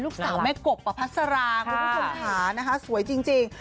ลูกสาวแม่กบอ่ะพัดสาราคุณผู้ชมขานะคะสวยจริงจริง